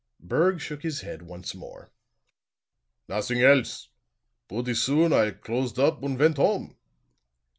Berg shook his head once more. "Nothing else. Putty soon I closed up and went home."